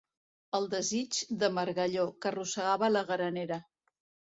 El desig del margalló, que rosegava la granera.